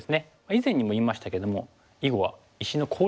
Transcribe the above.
以前にも言いましたけども囲碁は石の効率